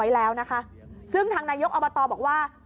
เอาไว้แล้วนะคะซึ่งทางนายกอับประตอบอกว่า